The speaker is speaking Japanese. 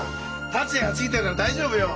達也がついてるから大丈夫よ。